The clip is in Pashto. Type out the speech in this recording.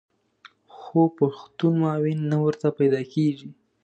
خو پښتون معاون نه ورته پیدا کېږي.